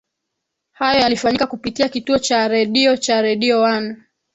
Hayo yalifanyika kupitia kituo Cha redio Cha redio one